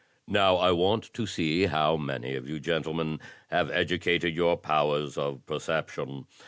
"Now I want to see how many of you gentlemen have educated your powers of perception.